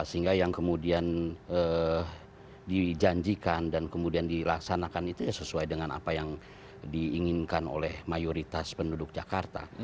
sehingga yang kemudian dijanjikan dan kemudian dilaksanakan itu ya sesuai dengan apa yang diinginkan oleh mayoritas penduduk jakarta